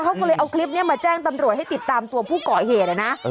เขาก็เลยเอาคลิปนี้มาแจ้งตำรวจให้ติดตามตัวผู้ก่อเหตุนะ